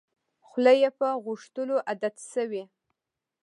خوله یې په غوښتلو عادت شوې.